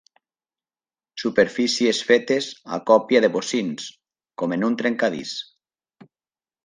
Superfícies fetes a còpia de bocins, com en un trencadís.